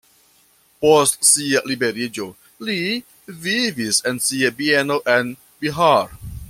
Post sia liberiĝo li vivis en sia bieno en Bihar.